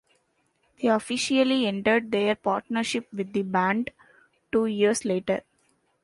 They officially ended their partnership with the band two years later.